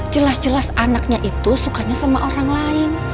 jelas jelas anaknya itu sukanya sama orang lain